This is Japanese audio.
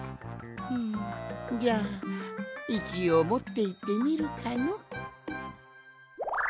んじゃあいちおうもっていってみるかの。